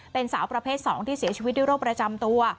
เป็นสาวประเภท๒ที่เสียชีวิตด้วยโรคประจำตัว